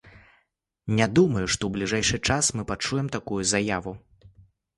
Не думаю, што ў бліжэйшы час мы пачуем такую заяву.